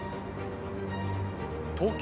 東京